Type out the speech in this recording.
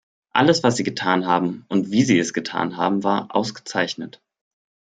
Alles, was Sie getan haben, und wie Sie es getan haben, war ausgezeichnet.